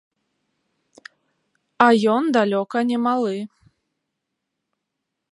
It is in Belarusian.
А ён далёка не малы.